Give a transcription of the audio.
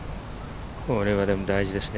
これは大事ですね。